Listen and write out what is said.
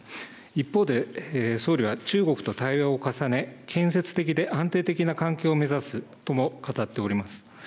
一方で総理は中国と対話を重ね建設的で安定的な関係を目指すとも語っております。